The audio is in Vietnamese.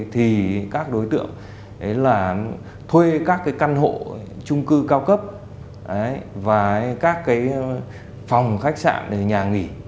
thì các đối tượng thuê các căn hộ trung cư cao cấp và các phòng khách sạn nhà nghỉ